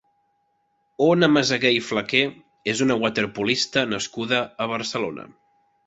Ona Meseguer i Flaqué és una waterpolista nascuda a Barcelona.